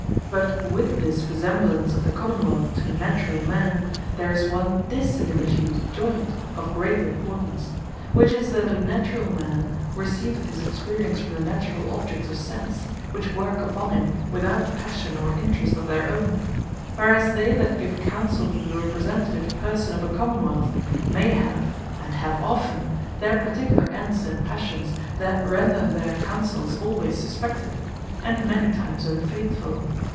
But with this resemblance of the Common wealth, to a naturall man, there is one dissimilitude joyned, of great importance; which is, that a naturall man receiveth his experience, from the naturall objects of sense, which work upon him without passion, or interest of their own; whereas they that give Counsell to the Representative person of a Common wealth, may have, and have often their particular ends, and passions, that render their Counsells alwayes suspected, and many times unfaithfull.